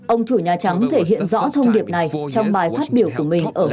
ông chủ nhà trắng thể hiện rõ thông điệp này trong bài phát biểu của mình ở hội nghị